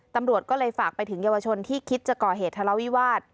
ตำรวจก็เลยฝากไปถึงเยาวชนที่คิดจะก่อเหตุทะเลาวิวาส